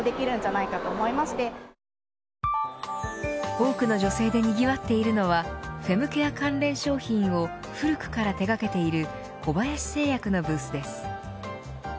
多くの女性でにぎわっているのはフェムケア関連商品を古くから手がけている小林製薬のブースです。